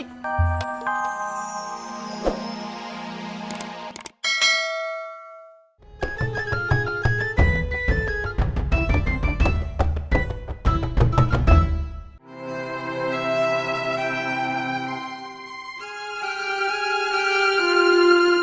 kau mau ngapain